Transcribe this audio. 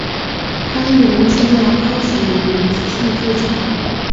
他的演艺生涯开始于即兴剧场。